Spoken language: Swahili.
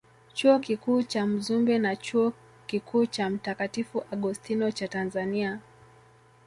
Chuo Kikuu cha Mzumbe na Chuo Kikuu cha Mtakatifu Augustino cha Tanzania